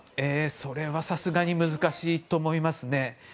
それはさすがに難しいと思います。